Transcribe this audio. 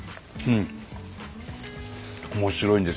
うん。